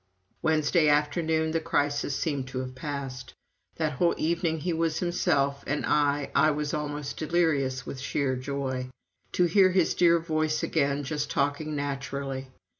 Wednesday afternoon the crisis seemed to have passed. That whole evening he was himself, and I I was almost delirious from sheer joy. To hear his dear voice again just talking naturally!